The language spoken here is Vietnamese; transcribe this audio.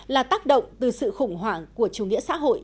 là tác động từ sự khủng hoảng của chủ nghĩa xã hội